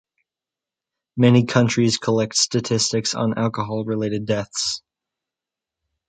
Many countries collect statistics on alcohol-related deaths.